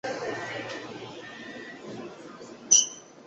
希罗纳古罗马凯尔特神话女性神只之一。